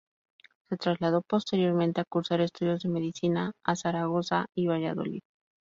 Se trasladó posteriormente a cursar estudios de medicina a Zaragoza y Valladolid.